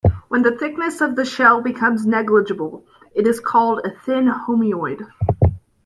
When the thickness of the shell becomes negligible, it is called a thin homoeoid.